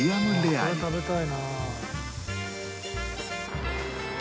これ食べたいな。